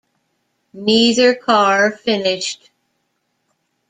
Neither car finished.